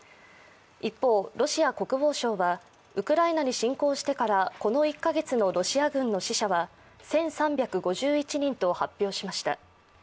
一方、ロシア国防省はウクライナに侵攻してからこの１カ月のロシア軍の死者は１３５１人と発表しました。